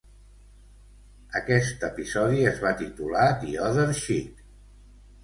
Aquest episodi es va titular "The Other Cheek".